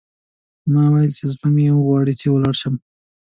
ما وویل چې، زړه مې غواړي چې ولاړ شم.